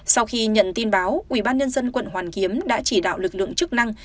sau khi nhận tin báo ủy ban nhân dân quận hoàn kiếm đã chỉ đạo lực lượng chức năng